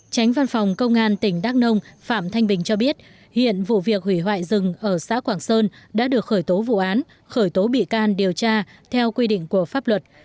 tránh văn phòng công an tỉnh đắk nông phạm thanh bình cho biết hiện vụ việc hủy hoại rừng ở xã quảng sơn đã được khởi tố vụ án khởi tố bị can điều tra theo quy định của pháp luật